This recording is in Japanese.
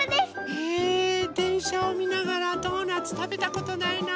へぇでんしゃをみながらドーナツたべたことないな。